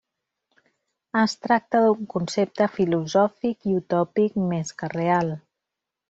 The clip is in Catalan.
Es tracta d'un concepte filosòfic i utòpic més que real.